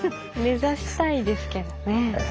目指したいですけどね。